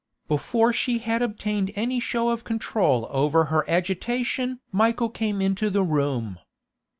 Before she had obtained any show of control over her agitation Michael came into the room.